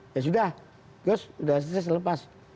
ya sudah gus sudah selesai selepas